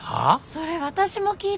それ私も聞いた。